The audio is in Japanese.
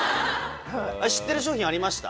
知ってる商品ありました？